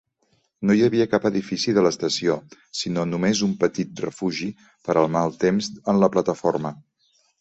No hi havia cap edifici de l'estació, sinó només un petit refugi per al malt temps en la plataforma.